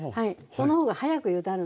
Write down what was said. その方が早くゆだるんで。